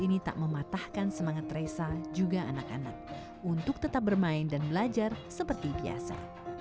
ini tak mematahkan semangat resa juga anak anak untuk tetap bermain dan belajar seperti biasa